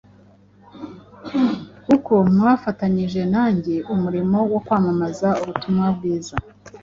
kuko mwafatanije nanjye umurimo wo kwamamaza ubutumwa bwiza